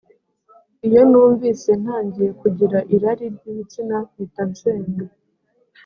iyo numvise ntangiye kugira irari ry ibitsina mpita nsenga